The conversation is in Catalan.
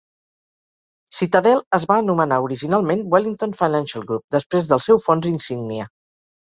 Citadel es va anomenar originalment Wellington Financial Group després del seu fons insígnia.